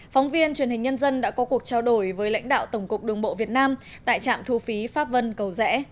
phóng viên truyền hình nhân dân đã có cuộc trao đổi với lãnh đạo tổng cục đường bộ việt nam tại trạm thu phí pháp vân cầu rẽ